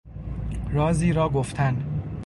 رازی را گفتن